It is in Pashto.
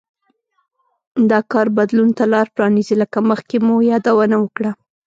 دا کار بدلون ته لار پرانېزي لکه مخکې مو یادونه وکړه